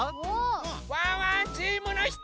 ワンワンチームのひと！